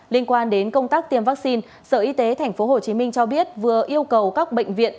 liên quan đến công tác tiêm vaccine sở y tế tp hcm cho biết vừa yêu cầu các bệnh viện